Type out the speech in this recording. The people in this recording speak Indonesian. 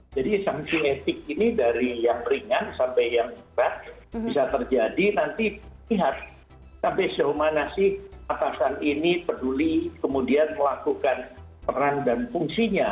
jadi sanksi etik ini dari yang ringan sampai yang keras bisa terjadi nanti lihat sampai seumur mana sih atasan ini peduli kemudian melakukan peran dan fungsinya